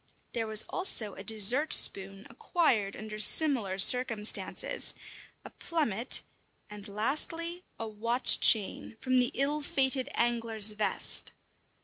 There was also a dessert spoon acquired under similar circumstances, a plummet, and, lastly, a watch chain, from the ill fated angler's vest.